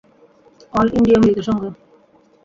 All India মৃত সংঘ।